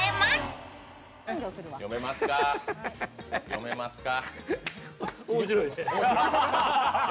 読めますか？